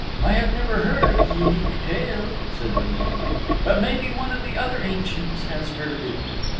I have never heard of the Unique Tale," said Laheen, "but maybe one of the other Ancients has heard of it."